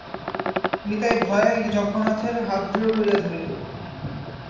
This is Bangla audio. নিতাই ভয়ে যজ্ঞনাথের হাত দৃঢ় করিয়া ধরিল।